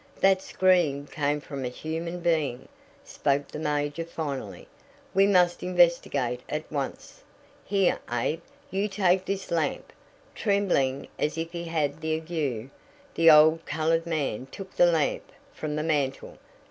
"That scream came from a human being," spoke the major finally. "We must investigate at once. Here, Abe, you take this lamp." Trembling as if he had the ague, the old colored man took the lamp from the mantel.